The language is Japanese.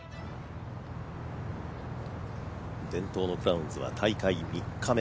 伝統のクラウンズは大会３日目。